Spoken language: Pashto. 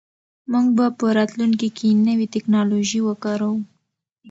موږ به په راتلونکي کې نوې ټیکنالوژي وکاروو.